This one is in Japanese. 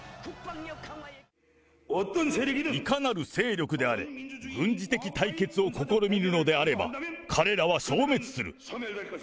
いかなる勢力であれ、軍事的対決を試みるのであれば、彼らは消滅する。